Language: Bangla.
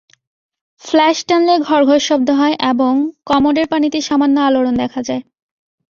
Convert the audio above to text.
ফ্ল্যাশ টানলে ঘড়ঘড় শব্দ হয় এবং কমোডের পানিতে সামান্য আলোড়ন দেখা যায়।